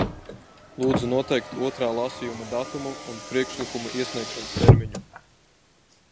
Lūdzu noteikt otrā lasījuma datumu un priekšlikumu iesniegšanas termiņu.